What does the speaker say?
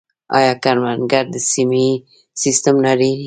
آیا کروندګر د سهمیې سیستم نلري؟